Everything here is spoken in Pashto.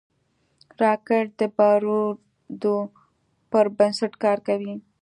راکټ د بارودو پر بنسټ کار کوي